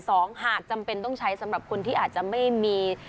หากจำเป็นต้องใช้สำหรับคนที่อาจจะไม่มี